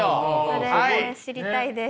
それ知りたいです。